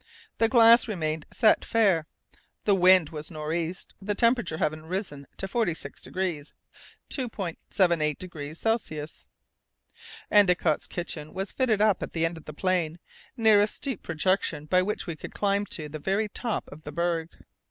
The glass remained set fair; the wind was nor' east, the temperature having risen to 46 degrees (2° 78' C.). Endicott's kitchen was fitted up at the end of the plain, near a steep projection by which we could climb to the very top of the berg.